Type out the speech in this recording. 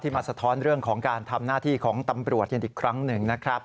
มาสะท้อนเรื่องของการทำหน้าที่ของตำรวจกันอีกครั้งหนึ่งนะครับ